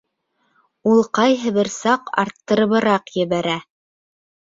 Ул ҡайһы бер саҡ арттырыбыраҡ ебәрә